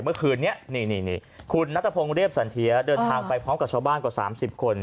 เมื่อคืนนี้นี่คุณนัทพงศ์เรียบสันเทียเดินทางไปพร้อมกับชาวบ้านกว่า๓๐คน